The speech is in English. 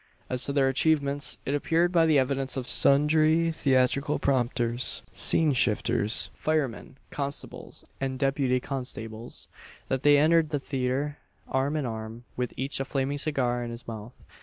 As to their achievements, it appeared by the evidence of sundry theatrical prompters, scene shifters, firemen, constables, and deputy constables, that they entered the theatre arm in arm, with each a flaming cigar in his mouth.